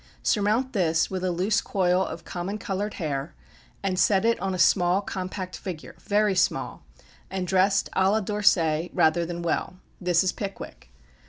Surmount this with a loose coil of common coloured hair, and set it on a small compact figure, very small, and dressed à la D'Orsay rather than well this is Pickwick.